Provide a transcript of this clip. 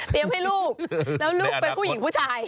ให้ลูกแล้วลูกเป็นผู้หญิงผู้ชาย